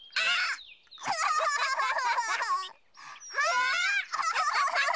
あっ！